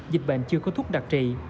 dịch bệnh chưa có thuốc đặc trị